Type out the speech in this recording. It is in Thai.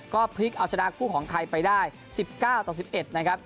ก็พลิกเอาชนะคู่ของไทยไปได้๑๙ต่อ๑๑นะครับ